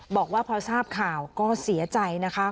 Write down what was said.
บอกว่าพอทราบข่าวก็เสียใจนะคะ